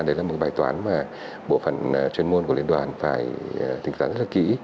đấy là một bài toán mà bộ phần chuyên môn của liên đoàn phải tính toán rất là kỹ